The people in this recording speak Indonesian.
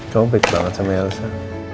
kamu baik banget sama elsa